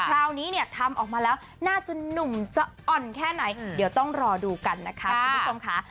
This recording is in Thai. คราวนี้เนี่ยทำออกมาแล้วน่าจะหนุ่มจะอ่อนแค่ไหนเดี๋ยวต้องรอดูกันนะคะคุณผู้ชมค่ะ